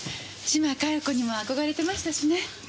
島加代子にも憧れてましたしね。